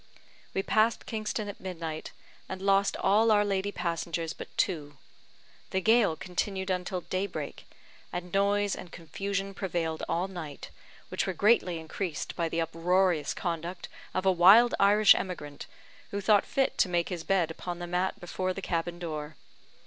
We passed Kingston at midnight, and lost all our lady passengers but two. The gale continued until daybreak, and noise and confusion prevailed all night, which were greatly increased by the uproarious conduct of a wild Irish emigrant, who thought fit to make his bed upon the mat before the cabin door.